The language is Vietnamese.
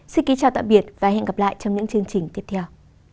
xin kính chào tạm biệt và hẹn gặp lại trong những chương trình tiếp theo